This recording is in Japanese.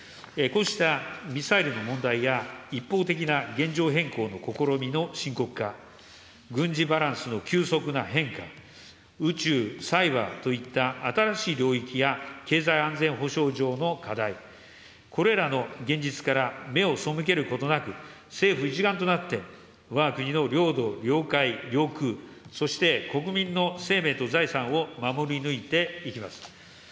こうしたミサイルの問題や、一方的な現状変更の試みの深刻化、軍事バランスの急速な変化、宇宙、サイバーといった新しい領域や経済安全保障上の課題、これらの現実から目を背けることなく、政府一丸となって、わが国の領土、領海、領空、そして国民の生命と財産を守り抜いていきます。